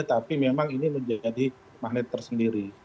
tapi memang ini menjadi magnet tersendiri